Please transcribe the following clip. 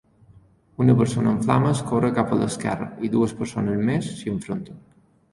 Una persona en flames corre cap a l'esquerra i dues persones més s'hi enfronten.